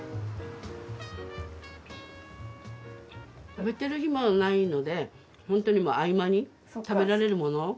食べてる暇がないのでホントに合間に食べられるもの。